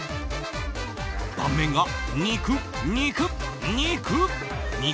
断面が肉、肉、肉！